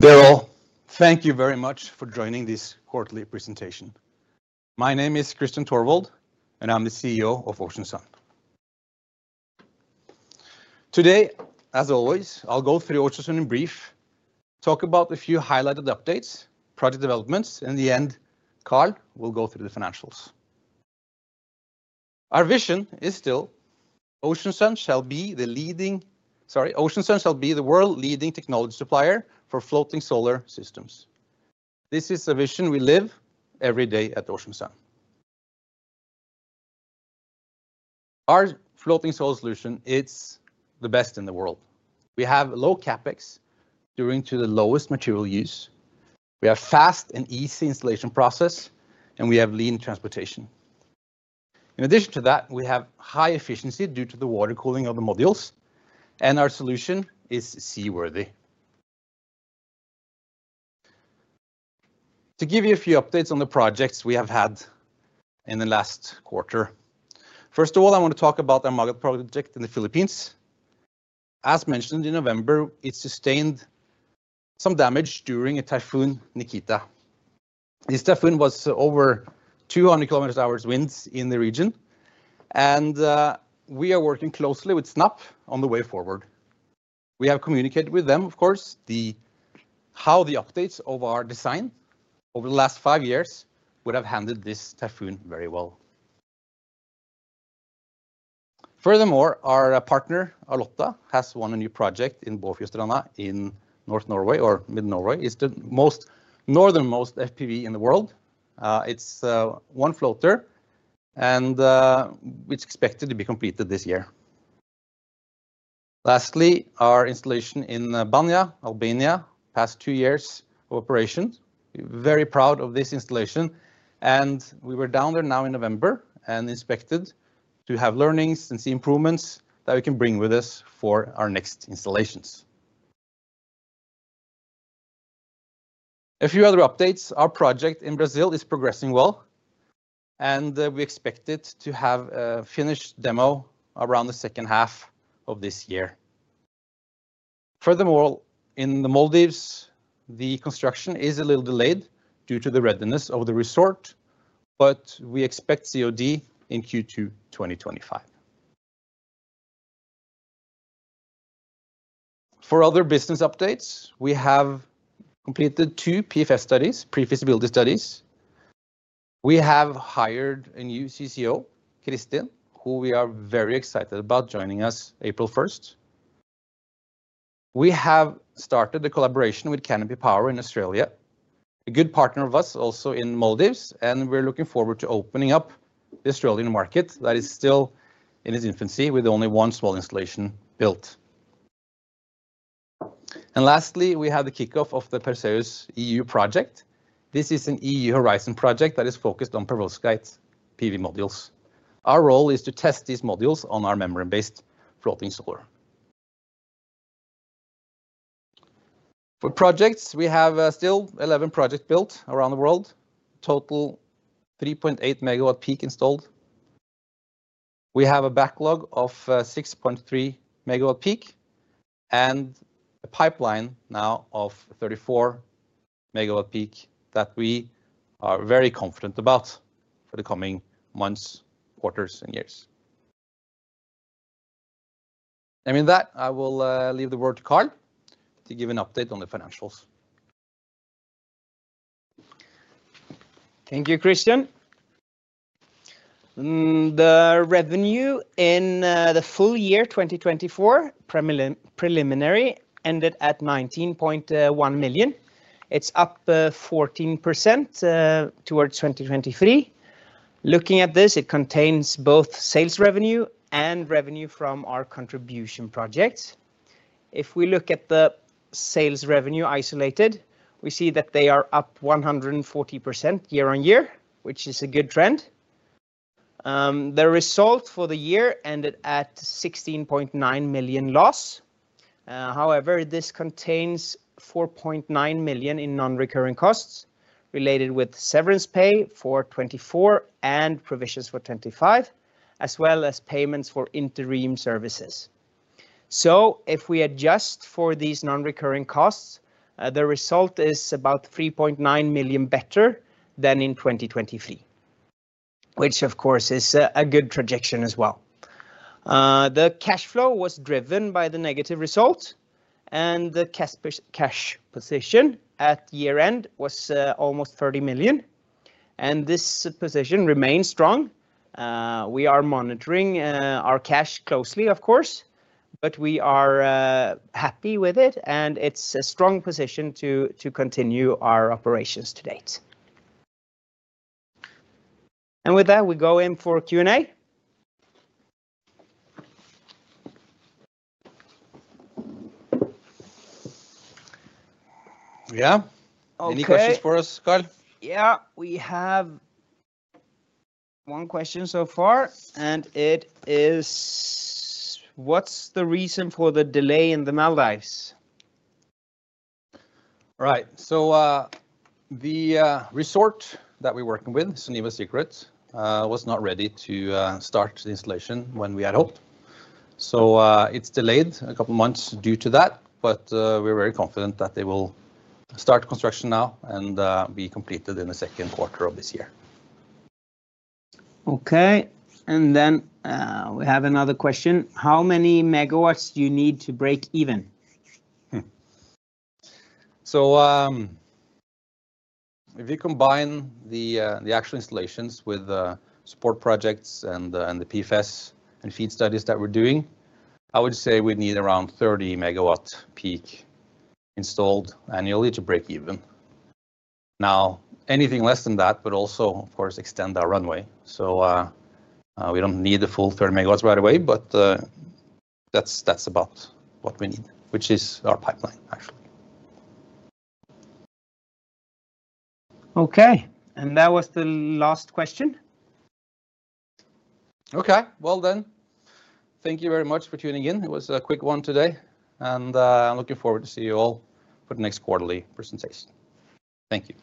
Thank you very much Quarterly Presentation. My name is Kristian Tørvold, and I'm the CEO of Ocean Sun. Today, as always, I'll go through Ocean Sun in brief, talk about a few highlighted updates, project developments, and in the end, Karl will go through the financials. Our vision is still Ocean Sun shall be the world-leading technology supplier for floating solar systems. This is a vision we live every day at Ocean Sun. Our floating solar solution is the best in the world. We have low Capex, due to the lowest material use. We have a fast and easy installation process, and we have lean transportation. In addition to that, we have high efficiency due to the water cooling of the modules, and our solution is seaworthy. To give you a few updates on the projects we have had in the last quarter. First of all, I want to talk about our megaproject in the Philippines. As mentioned in November, it sustained some damage during a typhoon, Typhoon Nika. This typhoon was over 200 km/h winds in the region, and we are working closely with SNAP on the way forward. We have communicated with them, of course, how the updates of our design over the last five years would have handled this typhoon very well. Furthermore, our partner, Alotta, has won a new project in Bøfjordstranda in North Norway, or Mid-Norway. It is the northernmost FPV in the world. It is one floater, and it is expected to be completed this year. Lastly, our installation in Banja, Albania, past two years of operation. We're very proud of this installation, and we were down there now in November and inspected to have learnings and see improvements that we can bring with us for our next installations. A few other updates: our project in Brazil is progressing well, and we expect it to have a finished demo around the second half of this year. Furthermore, in the Maldives, the construction is a little delayed due to the readiness of the resort, but we expect COD in Q2 2025. For other business updates, we have completed two PFS studies, pre-feasibility studies. We have hired a new CCO, Kristian, who we are very excited about joining us April 1. We have started the collaboration with Canopy Power in Australia, a good partner of us also in the Maldives, and we're looking forward to opening up the Australian market that is still in its infancy with only one small installation built. Lastly, we have the kickoff of the PERSEUS EU project. This is an EU Horizon project that is focused on perovskite PV modules. Our role is to test these modules on our membrane-based floating solar. For projects, we have still 11 projects built around the world, total 3.8 MWp installed. We have a backlog of 6.3 MWp and a pipeline now of 34 MWp that we are very confident about for the coming months, quarters, and years. With that, I will leave the word to Karl to give an update on the financials. Thank you, Kristian. The revenue in the full year 2024 preliminary ended at 19.1 million. It's up 14% towards 2023. Looking at this, it contains both sales revenue and revenue from our contribution projects. If we look at the sales revenue isolated, we see that they are up 140% year on year, which is a good trend. The result for the year ended at 16.9 million loss. However, this contains 4.9 million in non-recurring costs related with severance pay for 2024 and provisions for 2025, as well as payments for interim services. If we adjust for these non-recurring costs, the result is about 3.9 million better than in 2023, which of course is a good projection as well. The cash flow was driven by the negative result, and the cash position at year-end was almost 30 million, and this position remains strong. We are monitoring our cash closely, of course, but we are happy with it, and it is a strong position to continue our operations to date. With that, we go in for Q&A. Yeah. Any questions for us, Karl? Yeah, we have one question so far, and it is, what's the reason for the delay in the Maldives? Right, so the resort that we're working with, Soneva Secret, was not ready to start the installation when we had hoped. It is delayed a couple of months due to that, but we're very confident that they will start construction now and be completed in the second quarter of this year. Okay, and then we have another question. How many megawatts do you need to break even? If you combine the actual installations with support projects and the PFS and FEED studies that we're doing, I would say we need around 30 MWp installed annually to break even. Now, anything less than that would also, of course, extend our runway. We don't need the full 30 MWp right away, but that's about what we need, which is our pipeline, actually. Okay, that was the last question. Okay, well then, thank you very much for tuning in. It was a quick one today, and I'm looking forward to seeing you all for the next quarterly presentation. Thank you.